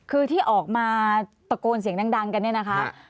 คือที่ออกมาตะโกนเสียงดังกันเนี่ยนะคะ